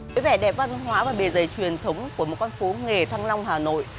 với vẻ đẹp văn hóa và bề dày truyền thống của một con phố nghề thăng long hà nội